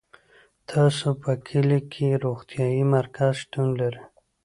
تاسو په کلي کي روغتيايي مرکز شتون لری